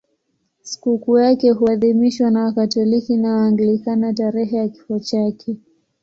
Sikukuu yake huadhimishwa na Wakatoliki na Waanglikana tarehe ya kifo chake.